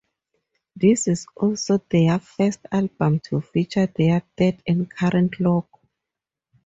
This is also their first album to feature their third and current logo.